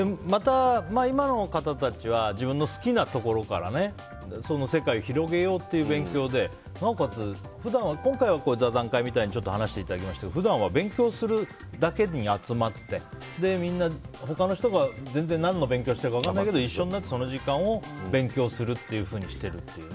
今の方たちは自分の好きなところから世界を広げようっていう勉強でなおかつ、今回は座談会みたいに話していただきましたが普段は勉強するだけに集まってみんな他の人が全然、何を勉強しているか分からないけど勉強するっていうふうにしてるという。